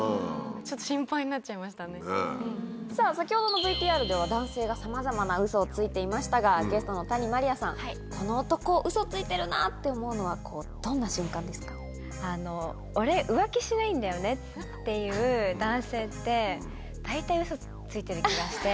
ちょっと心配になっちゃいまさあ、先ほどのＶＴＲでは、男性がさまざまなウソをついていましたが、ゲストの谷まりあさん、この男、ウソついてるなと思うのはどんな俺、浮気しないんだよねって言う男性って、大体ウソついている気がして。